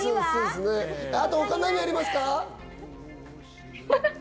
あと何がありますか？